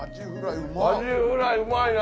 アジフライうまいな！